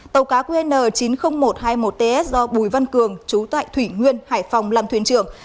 tàu cá qn chín mươi nghìn một trăm hai mươi một ts do bùi văn cường chú tại thủy nguyên hải phòng làm thuyền trưởng